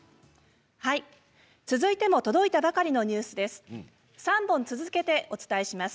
続いても届いたばかりのニュースです。